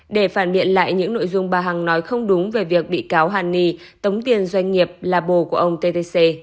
để phản biện lại những nội dung bà hằng nói không đúng về việc bị cáo hàn ni tống tiền doanh nghiệp là bồ của ông tvc